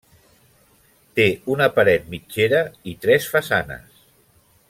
Té una paret mitgera i tres façanes.